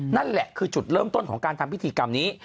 นั่นแหละคือจุดเริ่มต้นของการทำพิธีกรรมนี้